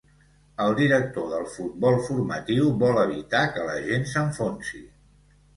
El director del Futbol Formatiu vol evitar que la gent s'enfonsi.